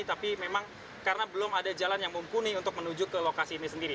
tapi memang karena belum ada jalan yang mumpuni untuk menuju ke lokasi ini sendiri